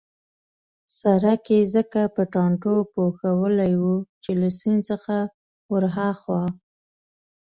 سړک يې ځکه په ټانټو پوښلی وو چې له سیند څخه ورهاخوا.